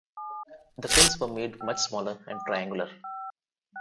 The fins were made much smaller and triangular.